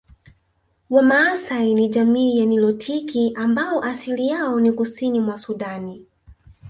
Wamaasai ni jamii ya nilotiki ambao asili yao ni Kusini mwa Sudani